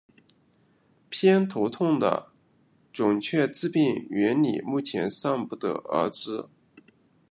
偏头痛的准确致病原理目前尚不得而知。